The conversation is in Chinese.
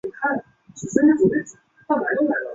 生母法印德大寺公审之女荣子。